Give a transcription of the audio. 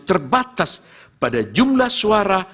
terbatas pada jumlah suara